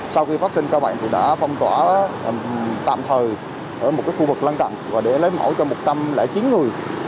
sau khi phát sinh ca bệnh thì đã phong tỏa tạm thời ở một khu vực lân cận và để lấy mẫu cho một trăm linh chín người